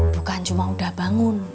bukan cuma udah bangun